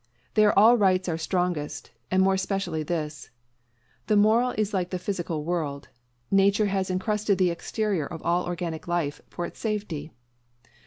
There all rights are strongest, and more especially this. The moral is like the physical world. Nature has incrusted the exterior of all organic life, for its safety.